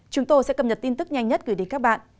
chúng tôi sẽ cập nhật tin tức nhanh nhất gửi đến các bạn